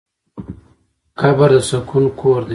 قبر د سکون کور دی.